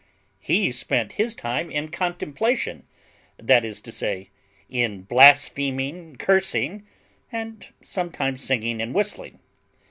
He spent his time in contemplation, that is to say, in blaspheming, cursing, and sometimes singing and whistling.